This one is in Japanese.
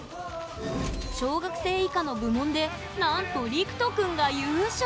小学生以下の部門でなんとりくとくんが優勝！